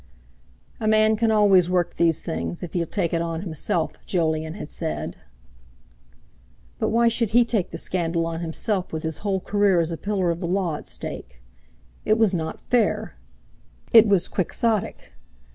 "A man can always work these things, if he'll take it on himself," Jolyon had said. But why should he take the scandal on himself with his whole career as a pillar of the law at stake? It was not fair! It was quixotic!